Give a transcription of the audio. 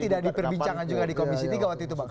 tidak diperbincangkan juga di komisi tiga waktu itu bang